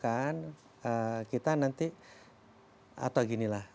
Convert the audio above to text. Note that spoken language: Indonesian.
beberapa yang mengusulkan kita nanti atau ginilah